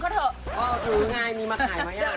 ก้วก็เป็นง่ายมีมักไห่มั้ย